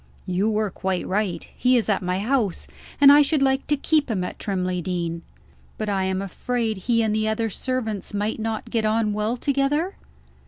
"You were quite right. He is at my house and I should like to keep him at Trimley Deen; but I am afraid he and the other servants might not get on well together?"